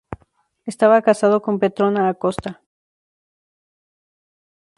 Estaba casado con Petrona Acosta.